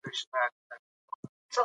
کوم خواړه د ګلایکوجن زېرمه زیاتوي؟